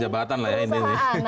dalam jabatan lah ini